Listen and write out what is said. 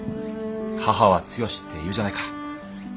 「母は強し」っていうじゃないか。